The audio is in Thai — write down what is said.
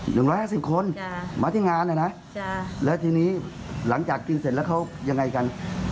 หนึ่งร้อยห้าสิบคนมาที่งานนะแล้วทีนี้หลังจากกินเสร็จแล้วเขายังไงกัน